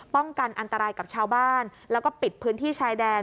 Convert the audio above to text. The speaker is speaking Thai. ป้องกันอันตรายกับชาวบ้านแล้วก็ปิดพื้นที่ชายแดน